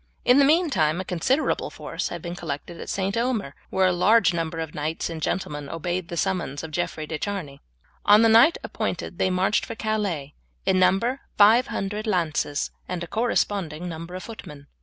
In the meantime a considerable force had been collected at St. Omer, where a large number of knights and gentlemen obeyed the summons of Jeffrey de Charny. On the night appointed they marched for Calais, in number five hundred lances and a corresponding number of footmen.